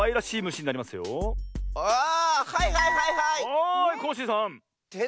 はいコッシーさん。